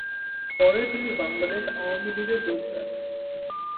পরে তিনি বাংলাদেশ আওয়ামী লীগে যোগ দেন।